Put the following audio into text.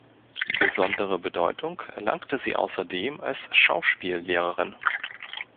Besondere Bedeutung erlangte sie außerdem als Schauspiellehrerin.